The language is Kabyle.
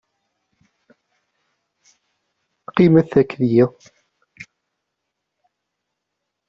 Qqimet akked-i.